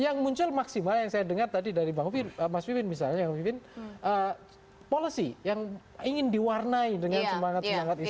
yang muncul maksimal yang saya dengar tadi dari mas pipin misalnya mas pipin policy yang ingin diwarnai dengan semangat semangat islam